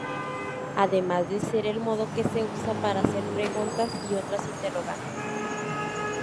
Además de ser el modo que se usa para hacer preguntas y otras interrogantes.